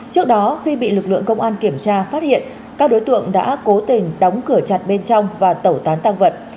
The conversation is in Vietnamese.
trước đó khi bị lực lượng công an kiểm tra phát hiện các đối tượng đã cố tình đóng cửa chặt bên trong và tẩu tán tăng vật